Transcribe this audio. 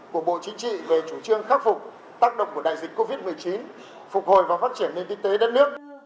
của bộ chính trị về chủ trương khắc phục tác động của đại dịch covid một mươi chín phục hồi và phát triển nền kinh tế đất nước